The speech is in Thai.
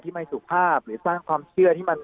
ไม่สุภาพหรือสร้างความเชื่อที่มัน